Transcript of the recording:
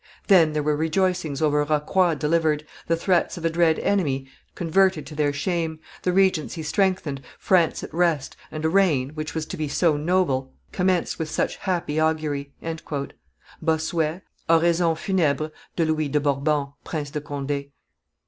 Then were there rejoicings over Rocroi delivered, the threats of a dread enemy converted to their shame, the regency strengthened, France at rest, and a reign, which was to be so noble, commenced with such happy augury." [Bossuet, _Oraison funebre de Louis de Bourbon, Prince de Conde.